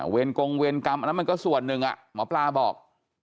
เวรกลงเวรกรรมมันก็ส่วนหนึ่งหมอปลาบอก